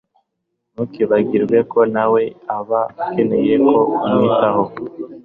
ntukibagirwe ko na we aba akeneye ko umwitaho